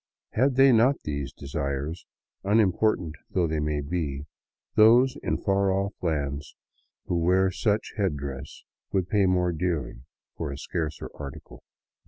Had they not these desires, unimportant though they may be, those in far oif lands who wear such head dress would pay more dearly for a scarcer article.